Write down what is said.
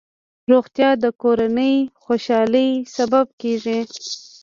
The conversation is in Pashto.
روغتیا د کورنۍ خوشحالۍ سبب کېږي.